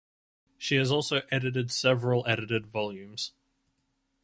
She has also edited several edited volumes.